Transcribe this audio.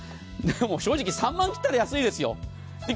正直３万切ったら安いですよ。